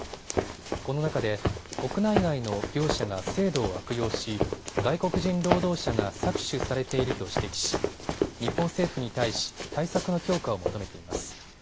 この中で国内外の業者が制度を悪用し外国人労働者が搾取されていると指摘し日本政府に対し、対策の強化を求めています。